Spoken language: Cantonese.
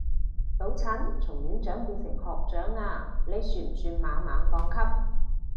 老陳從院長變成學長啊，呢算不算猛猛降級